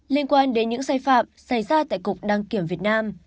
liên quan đến những sai phạm xảy ra tại cục đăng kiểm việt nam